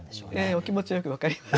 お気持ちよく分かります。